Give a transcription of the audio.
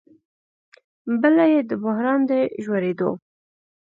بله یې د بحران د ژورېدو